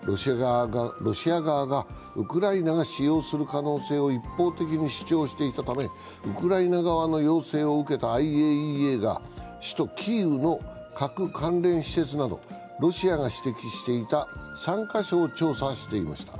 ロシア側がウクライナが使用する可能性を一方的に主張していたためウクライナ側の要請を受けたＩＡＥＡが首都キーウの核関連施設などロシアが指摘していた３か所を調査していました。